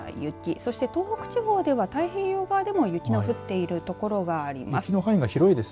そして東北地方では太平洋側でも雪の降っている所があります。